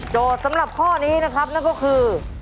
สำหรับข้อนี้นะครับนั่นก็คือ